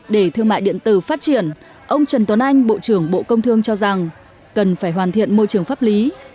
để thương mại điện tử phát triển ông trần tuấn anh bộ trưởng bộ công thương cho rằng cần phải hoàn thiện môi trường pháp lý